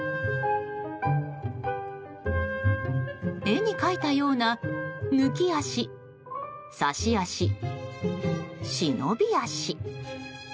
絵に描いたような抜き足、差し足、忍び足。